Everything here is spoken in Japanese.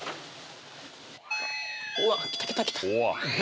うわっ来た来た来た！